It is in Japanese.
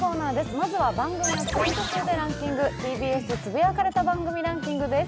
まずは番組のツイート数でランキング、ＴＢＳの「つぶやかれた番組ランキング」です。